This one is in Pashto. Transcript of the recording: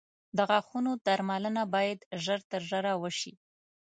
• د غاښونو درملنه باید ژر تر ژره وشي.